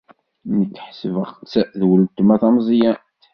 Nekk ḥesbeɣ-tt d weltma tameẓyant.